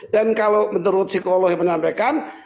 dan kalau menurut psikolog yang menyampaikan